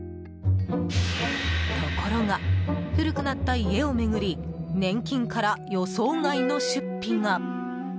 ところが、古くなった家を巡り年金から予想外の出費が。